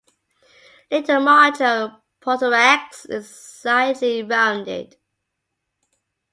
Lateral margin of prothorax is slightly rounded.